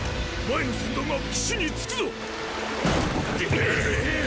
前の船団が岸に着くぞっ！